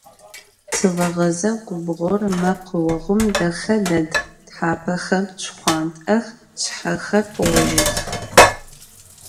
Tığeğeze gubğor mekhuoğum dexe ded: thapexer şşxhuant'ex, şshexer ğojıx.